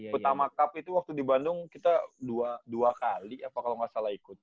pertama cup itu waktu di bandung kita dua kali kalau nggak salah ikut